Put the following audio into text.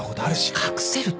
隠せるって。